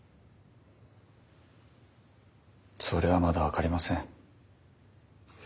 それはまだ分かりません。